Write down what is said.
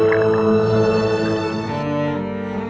badan dia panas